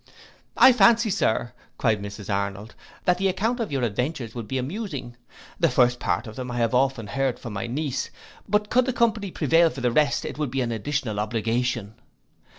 '—'I fancy, Sir,' cried Mrs Arnold, 'that the account of your adventures would be amusing: the first part of them I have often heard from my niece; but could the company prevail for the rest, it would be an additional obligation.